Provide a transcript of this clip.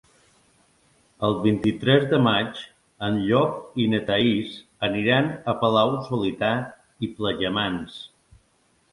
El vint-i-tres de maig en Llop i na Thaís aniran a Palau-solità i Plegamans.